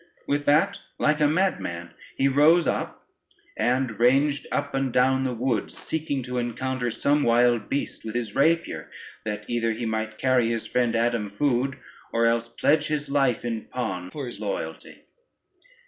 With that, like a madman, he rose up, and ranged up and down the woods, seeking to encounter some wild beast with his rapier, that either he might carry his friend Adam food, or else pledge his life in pawn for his loyalty.